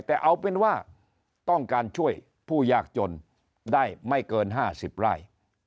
แต่เอาเป็นว่าต้องการช่วยผู้ยากจนได้ไม่เกิน๕๐ไร่